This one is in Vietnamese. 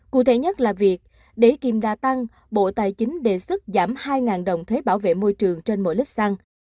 cụ thể nhất là việc để kìm đa tăng bộ tài chính đề xuất giảm hai đồng thuế bảo vệ môi trường trên mỗi lít xăng